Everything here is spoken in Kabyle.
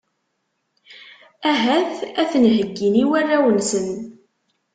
Ahat ad ten-heyyin i warraw-nsen.